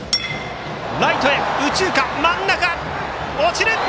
ライトへ右中間真ん中、落ちる！